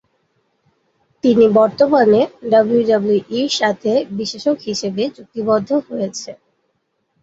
তিনি বর্তমানে ডাব্লিউডাব্লিউইর সাথে বিশ্লেষক হিসেবে চুক্তিবদ্ধ হয়েছে।